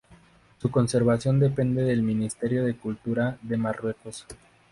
Su conservación depende del Ministerio de Cultura de Marruecos.